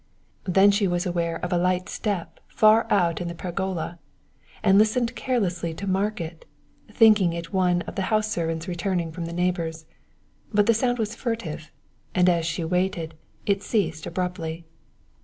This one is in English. Then she was aware of a light step far out in the pergola, and listened carelessly to mark it, thinking it one of the house servants returning from a neighbor's; but the sound was furtive, and as she waited it ceased abruptly.